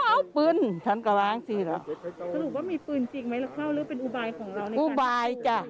สรุปว่ามีปืนจริงไหมแล้วเข้าเลือกเป็นอุบายของเรา